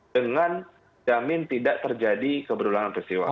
dengan jamin tidak terjadi keberulangan peristiwa